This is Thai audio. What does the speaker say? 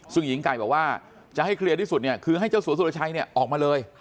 ซึ่งหญิงไก่บอกว่าจะให้เคลียร์ที่สุดเนี่ยคือให้เจ้าสัวสุรชัยเนี่ยออกมาเลย